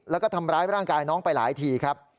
แล้วก็ทำร้ายร่างกายน้องไปหลายทีครับ